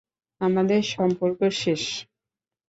আমাদের সম্পর্ক শেষ।